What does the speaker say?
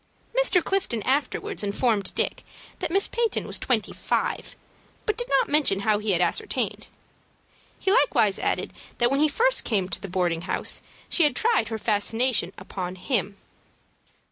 Mr. Clifton afterwards informed Dick that Miss Peyton was twenty five, but did not mention how he had ascertained. He likewise added that when he first came to the boarding house, she had tried her fascinations upon him.